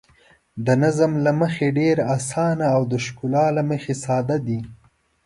د نظم له مخې ډېر اسانه او د ښکلا له مخې ساده دي.